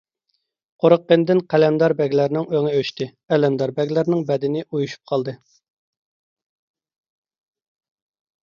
قورققىنىدىن قەلەمدار بەگلەرنىڭ ئۆڭى ئۆچتى، ئەلەمدار بەگلەرنىڭ بەدىنى ئۇيۇشۇپ قالدى.